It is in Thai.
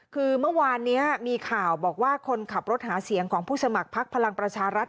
คือเมื่อวานนี้มีข่าวบอกว่าคนขับรถหาเสียงของผู้สมัครพักพลังประชารัฐ